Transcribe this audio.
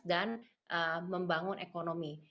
dan membangun ekonomi